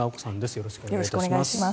よろしくお願いします。